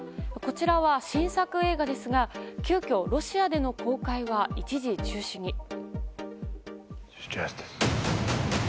こちらは新作映画ですが急きょロシアでの公開は一時中止に。